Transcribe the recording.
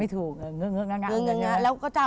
พากฟาดงงฟาดงาเราก็จะ